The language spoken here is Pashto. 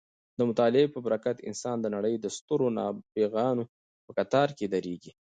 د مطالعې په برکت انسان د نړۍ د سترو نابغانو په کتار کې درېږي.